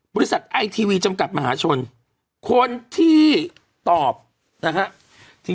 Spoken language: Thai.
บริษัทไอทีวีจำกัดมหาชนคนที่ตอบนะครับ